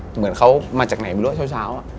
เหมือนเขามาจากไหนไม่รู้เช้า